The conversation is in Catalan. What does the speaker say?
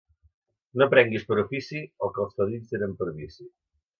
No prenguis per ofici el que els fadrins tenen per vici.